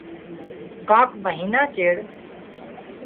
ڪانڪ مئينا چيڙ